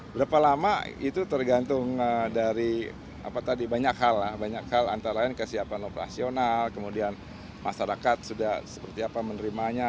berapa lama itu tergantung dari banyak hal lah banyak hal antara lain kesiapan operasional kemudian masyarakat sudah seperti apa menerimanya